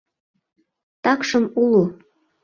— Такшым уло.